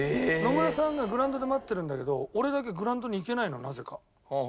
野村さんがグラウンドで待ってるんだけど俺だけグラウンドに行けないのなぜか。